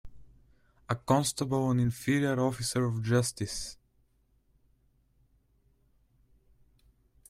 A constable an inferior officer of justice.